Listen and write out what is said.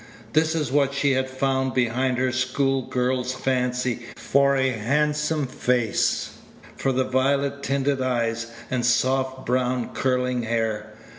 This is what she had found behind her school girl's fancy for a handsome face, for violet tinted eyes, and soft brown curling hair.